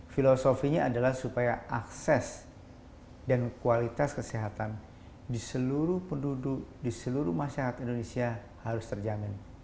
filosofinya adalah supaya akses dan kualitas kesehatan di seluruh penduduk di seluruh masyarakat indonesia harus terjamin